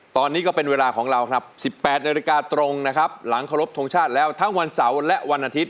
ตอนนี้ก็เป็นเวลาของเราครับ๑๘นาฬิกาตรงนะครับหลังเคารพทงชาติแล้วทั้งวันเสาร์และวันอาทิตย